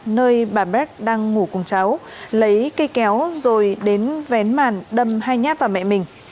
nơi bà bé đang ngủ cùng cháu lấy cây kéo rồi đến vén màn đâm hai nhát vào mẹ mình